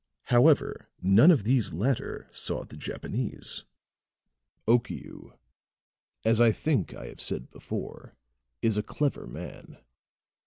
"However, none of the latter saw the Japanese. Okiu, as I think I have said before, is a clever man.